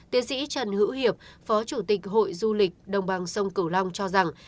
tiến sĩ trần hữu hiệp phó chủ tịch hội du lịch đồng bằng sông cửu long cho rằng